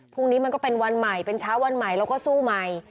มันก็เป็นวันใหม่เป็นเช้าวันใหม่แล้วก็สู้ใหม่